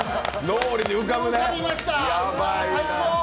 脳裏に浮かぶね。